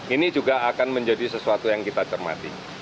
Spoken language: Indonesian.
ini juga akan menjadi sesuatu yang kita cermati